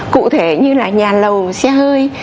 cụ thể như là nhà lầu xe hơi